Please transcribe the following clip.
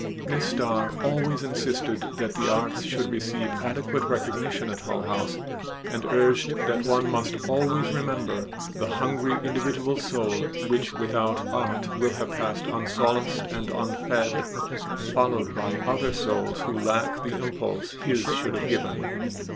Miss Starr always insisted that the arts should receive adequate recognition at Hull House and urged that one must always remember "the hungry individual soul which without art will have passed unsolaced and unfed, followed by other souls who lack the impulse his should have given."